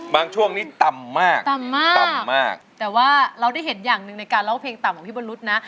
บางช่วงนี้ต่ำมากแต่ว่าเราได้เห็นอย่างหนึ่งในการเล่าเพลงต่ำของพี่บนรุษนะ